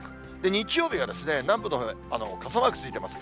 日曜日は南部のほう、傘マークついてます。